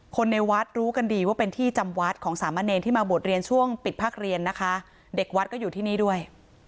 คนในวัดรู้กันดีว่าเป็นที่จำวัดของสามะเนรที่มาบวชเรียนช่วงปิดภาคเรียนนะคะเด็กวัดก็อยู่ที่นี่ด้วย